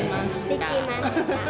できました！